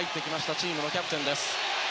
チームのキャプテンです。